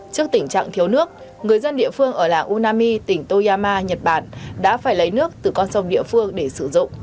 trước tình trạng thiếu nước người dân địa phương ở làng unami tỉnh toyama nhật bản đã phải lấy nước từ con sông địa phương để sử dụng